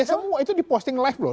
semua itu diposting live loh